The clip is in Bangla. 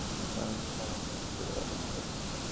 কারণ তিনি জানেন না যে পুরো ব্যাপারটা সাজানো।